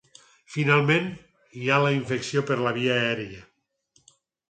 Finalment, hi ha la infecció per la via aèria.